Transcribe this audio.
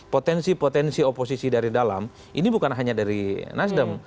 potensi potensi oposisi dari dalam ini bukan hanya dari nasdem